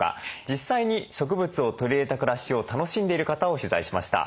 実際に植物を取り入れた暮らしを楽しんでいる方を取材しました。